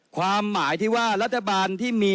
ความหมายที่ว่ารัฐบาลที่มี